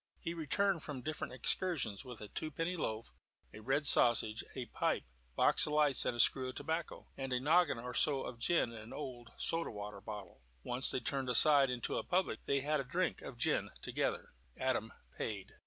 He returned from different excursions with a twopenny loaf, a red sausage, a pipe, box of lights and screw of tobacco, and a noggin or so of gin in an old soda water bottle. Once they turned aside into a public, and had a drink of gin together. Adam paid.